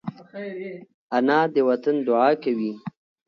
انا د وطن دعا کوي